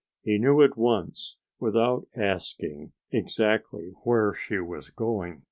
He knew at once, without asking, exactly where she was going.